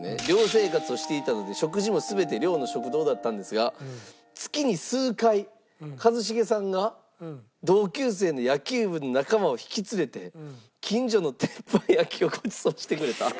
寮生活をしていたので食事も全て寮の食堂だったんですが月に数回一茂さんが同級生の野球部の仲間を引き連れて近所の鉄板焼きをごちそうしてくれた。